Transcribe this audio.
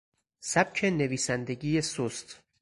سبک نویسندگی سست